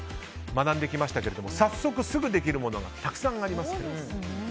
学んできましたけれども早速すぐできるものがたくさんありますね。